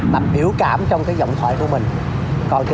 mà biểu cảm trong cái giọng thoại của mình